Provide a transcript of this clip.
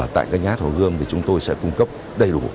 tại các nhà hát hồ gươm thì chúng tôi sẽ cung cấp đầy đủ